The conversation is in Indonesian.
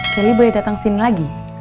kelly boleh datang ke sini lagi